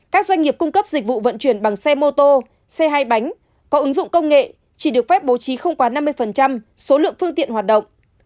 các doanh nghiệp cung cấp dịch vụ vận chuyển bằng xe mô tô xe hai bánh có ứng dụng công nghệ chỉ được phép bố trí không quá năm mươi số lượng phương tiện hoạt động